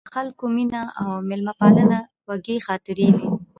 د خلکو مینه او میلمه پالنه خوږې خاطرې وې.